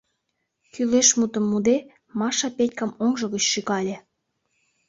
— Кӱлеш мутым муде, Маша Петькам оҥжо гыч шӱкале.